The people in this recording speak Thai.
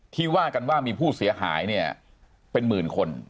ว่ากันว่ามีผู้เสียหายเนี่ยเป็นหมื่นคน